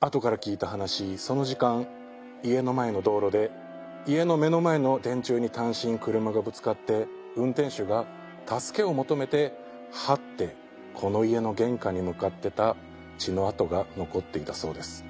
後から聞いた話その時間家の前の道路で家の目の前の電柱に単身車がぶつかって運転手が助けを求めて這ってこの家の玄関に向かってた血の痕が残っていたそうです。